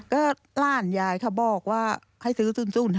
ก็หลานยายเขาบอกว่าให้ซื้อ๐๕